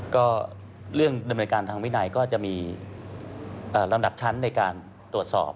ก็เรื่องดำเนินการทางวินัยก็จะมีลำดับชั้นในการตรวจสอบ